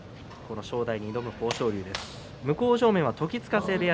正代に挑む豊昇龍です。